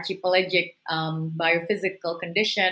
kondisi biopisikal yang besar